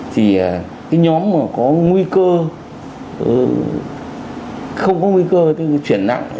thì cái nhóm mà có nguy cơ không có nguy cơ chuyển nặng